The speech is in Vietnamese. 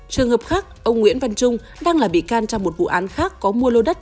trường hợp khác ông nguyễn văn trung đang là bị can trong một vụ án khác có mua lô đất